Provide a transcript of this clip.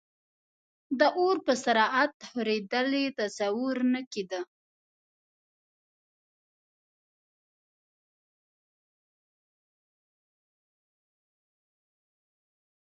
د اور په سرعت خورېدل یې تصور نه کېده.